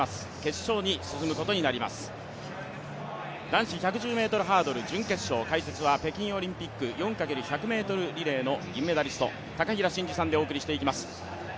男子１１０ｍハードルの北京オリンピック４×１００ｍリレーの銀メダリスト、高平慎士さんでお送りしていきます。